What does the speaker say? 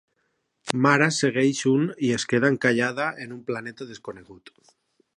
Mara segueix un i es queda encallada en un planeta desconegut.